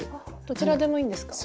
どちらでもいいんですか？